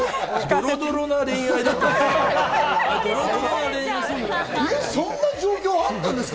ドロドロな恋愛だったんです